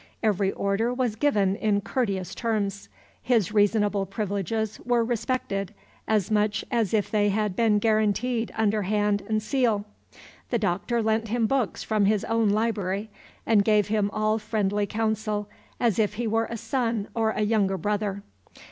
Every order was given in courteous terms. His reasonable privileges were respected as much as if they had been guaranteed under hand and seal. The Doctor lent him books from his own library, and gave him all friendly counsel, as if he were a son or a younger brother.